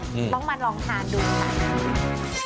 ต้องมาลองทานดูค่ะ